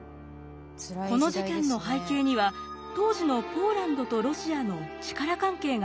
この事件の背景には当時のポーランドとロシアの力関係がありました。